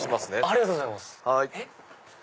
ありがとうございます。